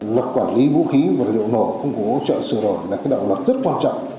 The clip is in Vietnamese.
lực quản lý vũ khí vật liệu nổ công cụ hỗ trợ sửa đổi là cái đạo lực rất quan trọng